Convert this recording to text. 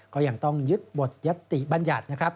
ก็ยังต้องยึดบทยัตติบัญญัตินะครับ